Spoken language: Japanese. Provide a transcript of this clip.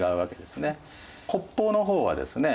北方の方はですね